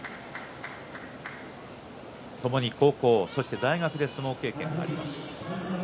ともに高校、大学で相撲経験があります